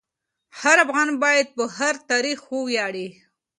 هر افغان باید په خپل تاریخ وویاړي.